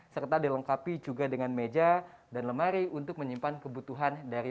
serta dilengkapi juga dengan meja dan lemari untuk menyimpan kebutuhan dari